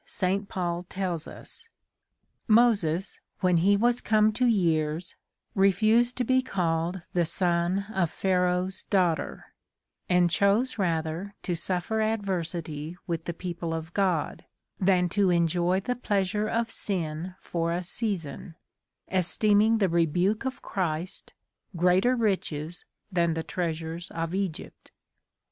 XIX Saint Paul tells us —' Moses, when he was come to years, refused to be called the sonne of Pharaoh's daughter, and chose rather to suffer adversitie with the people of God, than to enjoy the pleasures of sinne for a season ; esteeming the rebuke of Christ greater riches than the treasures of Egypt.'